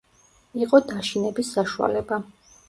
იყო დაშინების საშუალება.